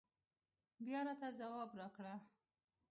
بيا راته ځواب راکړه